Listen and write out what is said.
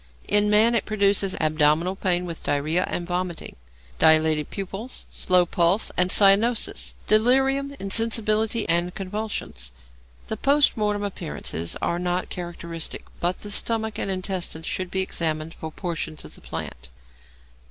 In man it produces abdominal pain with diarrhoea and vomiting; dilated pupils, slow pulse, and cyanosis; delirium, insensibility, and convulsions. The post mortem appearances are not characteristic, but the stomach and intestines should be examined for portions of the plant.